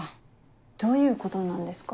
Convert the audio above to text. どういうことなんですか？